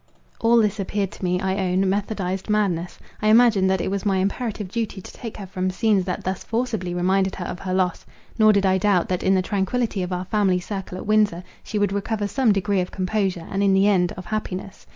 — All this appeared to me, I own, methodized madness. I imagined, that it was my imperative duty to take her from scenes that thus forcibly reminded her of her loss. Nor did I doubt, that in the tranquillity of our family circle at Windsor, she would recover some degree of composure, and in the end, of happiness.